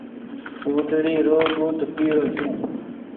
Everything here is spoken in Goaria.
اُٽڙي رو ۮود پيرو ڇو۔